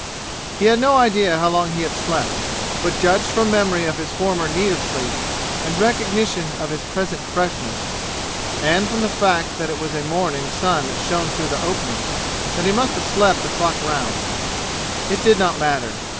He had no idea how long he had slept, but judged from memory of his former need of sleep and recogntion of his present freshness and from the fact that it was a morning sun that shone through the openings that he must have slept the clock round. It did not matter.